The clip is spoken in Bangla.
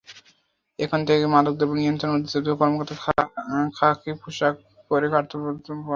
এখন থেকে মাদকদ্রব্য নিয়ন্ত্রণ অধিদপ্তরের কর্মকর্তারা খাকি পোশাক পরে কর্তব্য পালন করবেন।